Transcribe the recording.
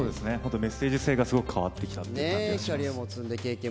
メッセージ性がすごく変わってきた感じがします。